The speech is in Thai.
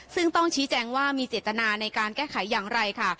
ซึ่งต้องชี้แจงว่ามีเจตนาในการแก้ไขอย่างไรค่ะ